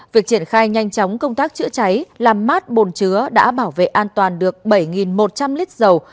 việc triển khai nhanh chóng công tác chữa cháy làm mát bồn chứa đã bảo vệ an toàn được bảy một trăm linh lít dầu